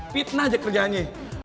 fitnah aja kerjaannya